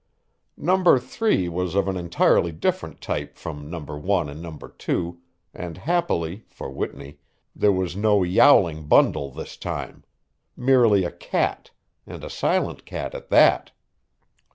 No. 3 was of an entirely different type from No. 1 and No. 2, and, happily for Whitney, there was no yowling bundle this time merely a cat, and a silent cat at that.